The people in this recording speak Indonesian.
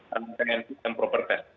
pengantin yang propertes